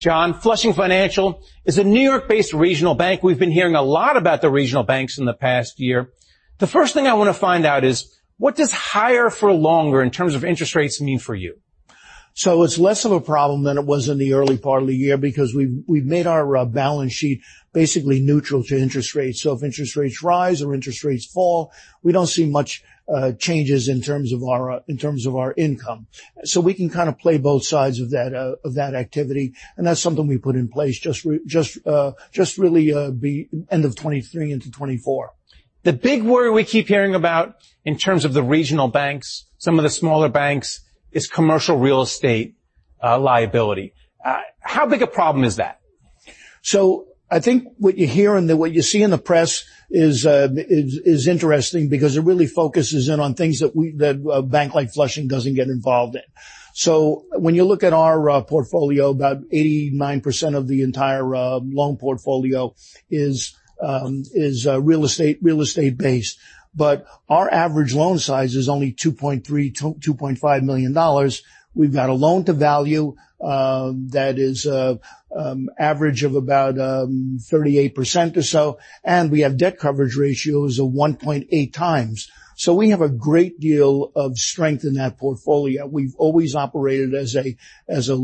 John, Flushing Financial is a New York-based regional bank. We've been hearing a lot about the regional banks in the past year. The first thing I wanna find out is, what does higher for longer in terms of interest rates mean for you? So it's less of a problem than it was in the early part of the year because we've made our balance sheet basically neutral to interest rates. So if interest rates rise or interest rates fall, we don't see much changes in terms of our income. So we can kind of play both sides of that activity, and that's something we put in place just really by end of 2023 into 2024. The big worry we keep hearing about in terms of the regional banks, some of the smaller banks, is commercial real estate, liability. How big a problem is that? So I think what you hear and what you see in the press is interesting because it really focuses in on things that a bank like Flushing doesn't get involved in. So when you look at our portfolio, about 89% of the entire loan portfolio is real estate, real estate-based. But our average loan size is only $2.3-$2.5 million. We've got a loan-to-value that is average of about 38% or so, and we have debt coverage ratios of 1.8 times. So we have a great deal of strength in that portfolio. We've always operated as a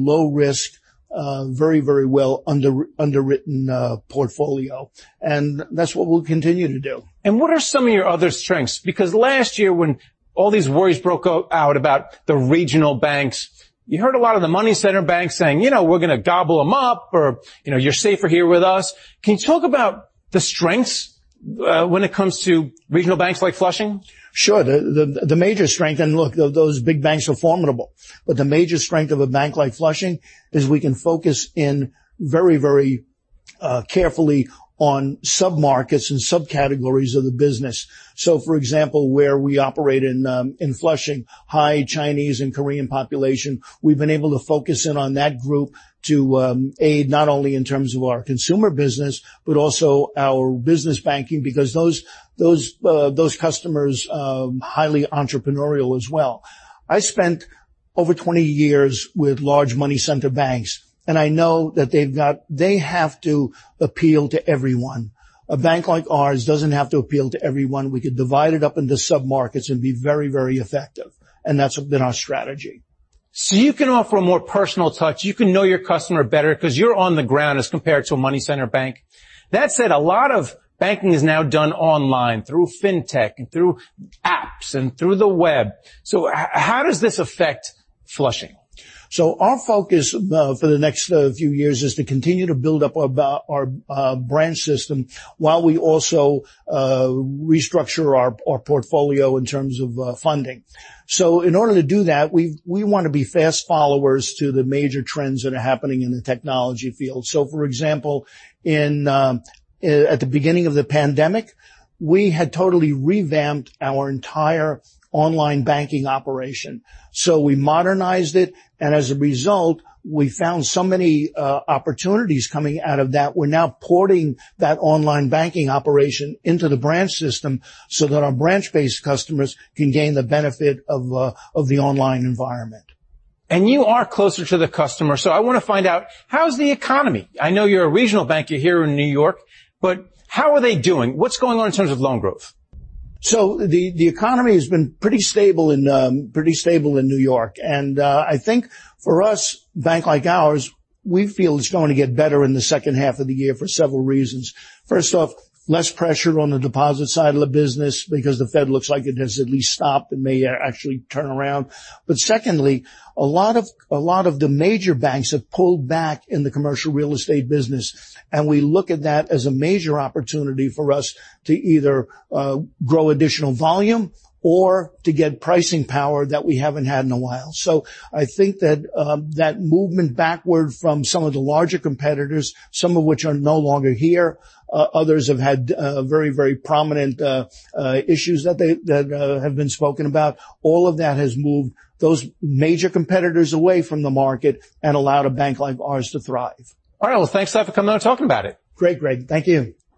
low-risk, very well underwritten portfolio, and that's what we'll continue to do. What are some of your other strengths? Because last year, when all these worries broke out about the regional banks, you heard a lot of the money center banks saying, "You know, we're gonna gobble them up," or, "You know, you're safer here with us." Can you talk about the strengths when it comes to regional banks like Flushing? Sure. The major strength... And look, those big banks are formidable, but the major strength of a bank like Flushing is we can focus in very, very, carefully on sub-markets and sub-categories of the business. So for example, where we operate in Flushing, high Chinese and Korean population, we've been able to focus in on that group to aid not only in terms of our consumer business, but also our business banking, because those customers are highly entrepreneurial as well. I spent over 20 years with large money center banks, and I know that they have to appeal to everyone. A bank like ours doesn't have to appeal to everyone. We could divide it up into sub-markets and be very, very effective, and that's been our strategy. So you can offer a more personal touch. You can know your customer better 'cause you're on the ground as compared to a money center bank. That said, a lot of banking is now done online through fintech and through apps and through the web. So, how does this affect Flushing? So our focus for the next few years is to continue to build up our branch system while we also restructure our portfolio in terms of funding. So in order to do that, we wanna be fast followers to the major trends that are happening in the technology field. So for example, at the beginning of the pandemic, we had totally revamped our entire online banking operation. So we modernized it, and as a result, we found so many opportunities coming out of that. We're now porting that online banking operation into the branch system so that our branch-based customers can gain the benefit of the online environment. You are closer to the customer, so I want to find out, how is the economy? I know you're a regional bank. You're here in New York, but how are they doing? What's going on in terms of loan growth? So the economy has been pretty stable in New York. And I think for us, bank like ours, we feel it's going to get better in the second half of the year for several reasons. First off, less pressure on the deposit side of the business because the Fed looks like it has at least stopped and may actually turn around. But secondly, a lot of the major banks have pulled back in the commercial real estate business, and we look at that as a major opportunity for us to either grow additional volume or to get pricing power that we haven't had in a while. So I think that that movement backward from some of the larger competitors, some of which are no longer here, others have had very, very prominent issues that that have been spoken about, all of that has moved those major competitors away from the market and allowed a bank like ours to thrive. All right. Well, thanks, John, for coming out and talking about it. Great, Greg. Thank you.